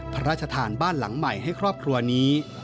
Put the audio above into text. พระราชทานบ้านหลังใหม่ให้ครอบครัวนี้